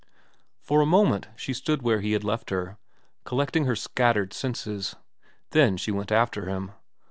For a moment she stood where he had left her, collecting her scattered senses ; then she went after him.